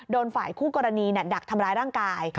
ฝ่ายคู่กรณีดักทำร้ายร่างกาย